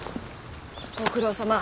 ご苦労さま。